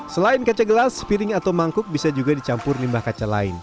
selain kaca gelas piring atau mangkuk bisa juga dicampur limbah kaca lain